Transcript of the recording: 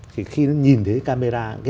thì khi nó nhìn thấy camera